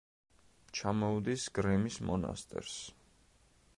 ჩამოუდის გრემის მონასტერს.